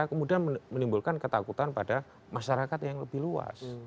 kemudian menimbulkan ketakutan pada masyarakat yang lebih luas